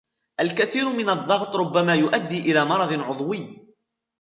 الكثير من الضغط ربما يؤدي إلى مرض عضوي.